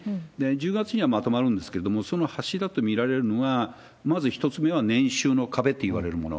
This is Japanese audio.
１０月にはまとまるんですけど、その柱と見られるのが、まず１つ目は年収の壁っていわれるもの。